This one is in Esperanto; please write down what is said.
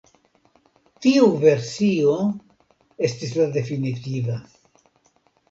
Tiu versio estis la definitiva.